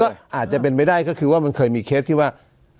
ก็อาจจะเป็นไปได้ก็คือว่ามันเคยมีเคสที่ว่า